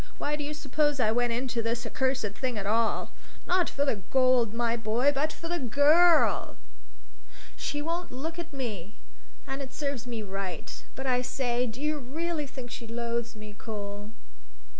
Why do you suppose I went into this accursed thing at all? Not for the gold, my boy, but for the girl! So she won't look at me. And it serves me right. But I say do you really think she loathes me, Cole?"